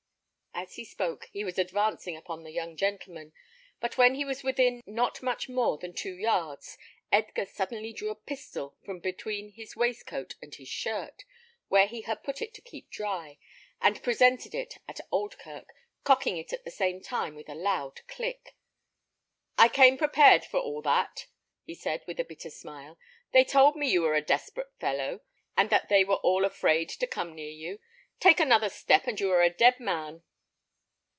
As he spoke, he was advancing upon the young gentleman; but when he was within not much more than two yards, Edgar suddenly drew a pistol from between his waistcoat and his shirt, where he had put it to keep it dry, and presented it at Oldkirk, cocking it at the same time with a loud click. "I came prepared for all that," he said, with a bitter smile. "They told me you were a desperate fellow, and that they were all afraid to come near you. Take another step and you are a dead man."